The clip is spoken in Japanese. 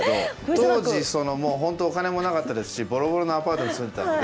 当時そのもう本当お金もなかったですしボロボロのアパートに住んでたので。